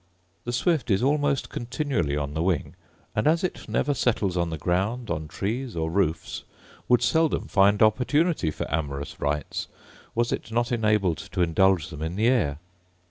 The swift is almost continually on the wing; and as it never settles on the ground, on trees, or roofs, would seldom find opportunity for amorous rites, was it not enabled to indulge them in the air.